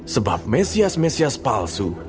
sebab mesias mesias palsu